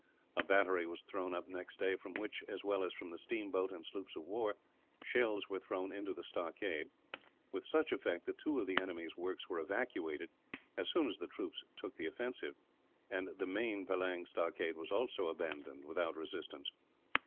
A battery was thrown up next day from which, as well as from the steamboat and sloops of war, shells were thrown into the stockade; with such effect that two of the enemy's works were evacuated, as soon as the troops took the offensive, and the main Pellang stockade was also abandoned, without resistance.